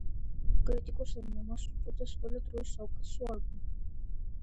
კრიტიკოსებმა მას უწოდეს ყველა დროის საუკეთესო ალბომი.